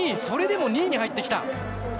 それでも２位に入ってきた。